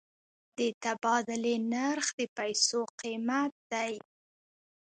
د تبادلې نرخ د پیسو قیمت دی.